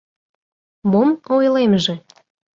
— Мом ойлемже?